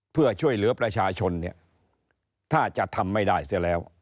เพื่อช่วยเหลือประชาชนเนี่ยถ้าจะทำไม่ได้เสียแล้ว